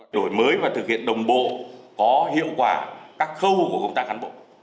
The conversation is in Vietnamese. đổi mới và thực hiện đồng bộ có hiệu quả các khâu của công tác cán bộ